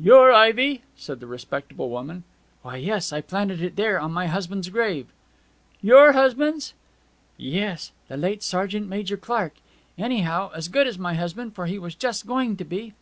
'Your ivy?' said the respectable woman. 'Why yes! I planted it there on my husband's grave.' 'Your husband's!' 'Yes. The late Sergeant Major Clark. Anyhow, as good as my husband, for he was just going to be.'